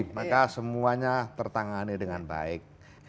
maka semuanya tertangani dengan baik